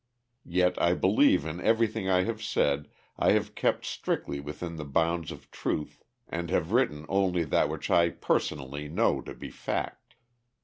Yet I believe in everything I have said I have kept strictly within the bounds of truth, and have written only that which I personally know to be fact.